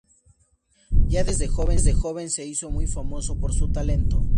Ya desde joven se hizo muy famoso por su talento.